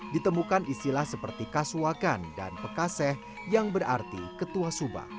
ditemukan istilah seperti kasuakan dan pekaseh yang berarti ketua subak